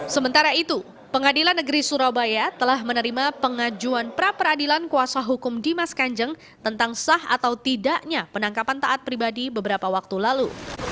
sementara itu pengadilan negeri surabaya telah menerima pengajuan pra peradilan kuasa hukum dimas kanjeng tentang sah atau tidaknya penangkapan taat pribadi beberapa waktu lalu